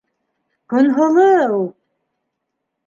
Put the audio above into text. Көнһылыу!